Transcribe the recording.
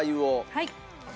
はい。